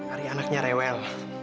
ari anaknya rewel